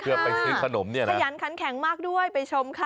เพื่อไปซื้อขนมเนี่ยนะขยันขันแข็งมากด้วยไปชมค่ะ